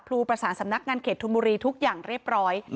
ประสานสำนักงานเขตธนบุรีทุกอย่างเรียบร้อย